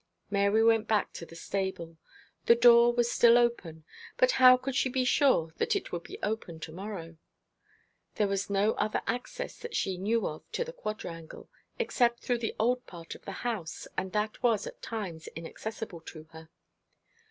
Mary went back to the stable. The door was still open, but how could she be sure that it would be open to morrow? There was no other access that she knew of to the quadrangle, except through the old part of the house, and that was at times inaccessible to her.